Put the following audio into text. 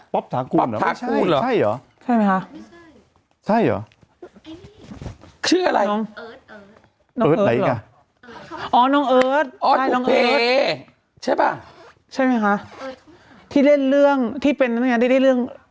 ป๊อปถาคูณหรอป๊อปถาคูณหรอใช่หรอใช่ไหมฮะไม่ใช่ใช่หรอ